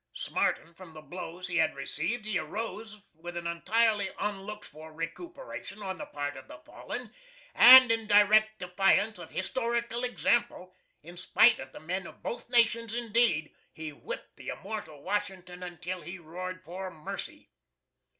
Smarting from the blows he had received, he arose with an entirely unlooked for recuperation on the part of the fallen, and in direct defiance of historical example; in spite of the men of both nations, indeed, he whipped the Immortal Washington until he roared for mercy.